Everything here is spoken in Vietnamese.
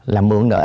là mượn nợ